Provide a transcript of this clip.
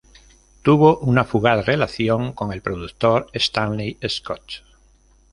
Tuvo una fugaz relación con el productor Stanley Scott.